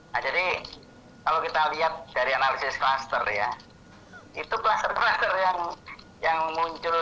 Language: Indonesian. nah jadi kalau kita lihat dari analisis kluster ya itu kluster kluster yang muncul